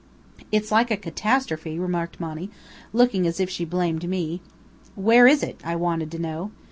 _" "It's like a catastrophe," remarked Monny, looking as if she blamed me. "Where is it?" I wanted to know.